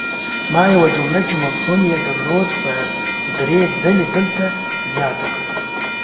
ما یوه جمله چې مفهوم ېې درلود په دري ځلې دلته زیاته کړه!